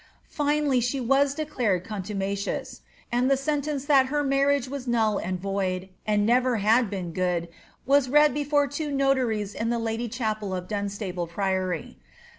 Finally, she was declared contumacious ; and the sentence that her marriage was null and void, Md never had been good, was read before two notaries in the Lady Cbapel of Dunstable Priory.'